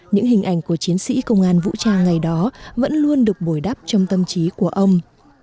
những hình ảnh của chiến sĩ công an vũ trang ngày đó vẫn luôn được bồi đắp trong tâm trí của ông